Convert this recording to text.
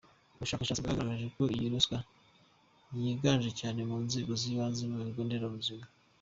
Ubushakashatsi bwagaragaje ko iyi ruswa yiganje cyane mu nzego z’ibanze, mu bigo nderabuzima.